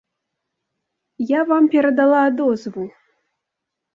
Я вам перадала адозвы.